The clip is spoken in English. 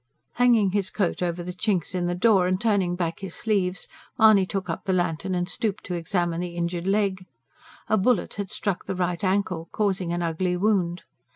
Hanging his coat over the chinks in the door, and turning back his sleeves, Mahony took up the lantern and stooped to examine the injured leg. A bullet had struck the right ankle, causing an ugly wound.